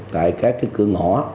tại các cái cửa ngõ